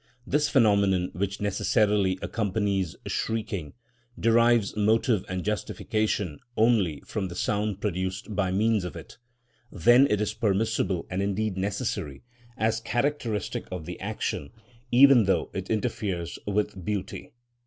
This phenomenon, which necessarily accompanies shrieking, derives motive and justification only from the sound produced by means of it; then it is permissible and indeed necessary, as characteristic of the action, even though it interferes with beauty.